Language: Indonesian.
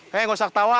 hei gak usah ketawa